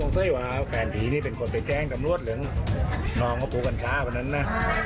สุดท้ายแฟนผีเป็นคนไปแจ้งตำรวจหรือน้องก็ปูกันช้ากว่านั้นนะ